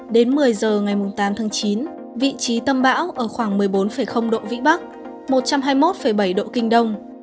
đến một mươi giờ ngày tám tháng chín vị trí tâm bão ở khoảng một mươi bốn độ vĩ bắc một trăm hai mươi một bảy độ kinh đông